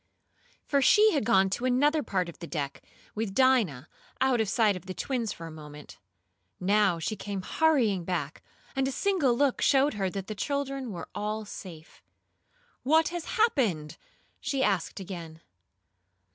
For she had gone to another part of the deck, with Dinah, out of sight of the twins for a moment. Now she came hurrying back, and a single look showed her that the children were all safe. "What has happened?" she asked again.